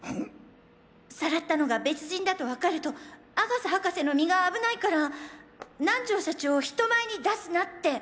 さらったのが別人だとわかると阿笠博士の身が危ないから南條社長を人前に出すなって！